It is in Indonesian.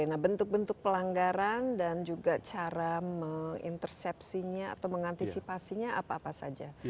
nah bentuk bentuk pelanggaran dan juga cara mengintersepsinya atau mengantisipasinya apa apa saja